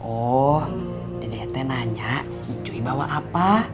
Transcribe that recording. oh dede teh nanya cuy bawa apa